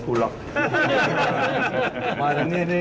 กลับที